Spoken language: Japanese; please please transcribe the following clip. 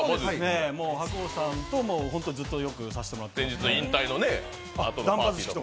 白鵬さんともずっとよくさせてもらってるので。